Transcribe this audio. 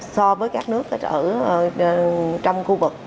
so với các nước trên khu vực